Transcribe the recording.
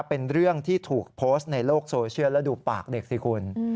เป็นเรื่องที่ถูกโพสต์ในโลกโซเชียลแล้วดูปากเด็กสิคุณ